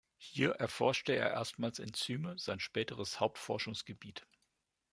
Hier erforschte er erstmals Enzyme, sein späteres Hauptforschungsgebiet.